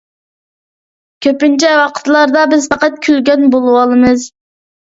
كۆپىنچە ۋاقىتلاردا بىز پەقەت كۈلگەن بولىۋالىمىز